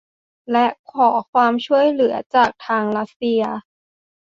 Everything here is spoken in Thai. และขอความช่วยเหลือจากทางรัสเซีย